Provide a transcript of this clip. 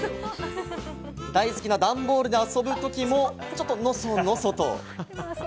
大好きなダンボールで遊ぶときもちょっとのそのそと。